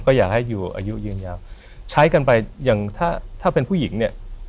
ก็อยากให้อยู่อายุยืนยาวใช้กันไปอย่างถ้าถ้าเป็นผู้หญิงเนี่ย